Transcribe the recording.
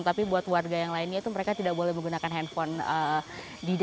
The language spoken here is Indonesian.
tapi buat warga yang lainnya itu mereka tidak boleh menggunakan handphone di dalam kawasan adat amatua ini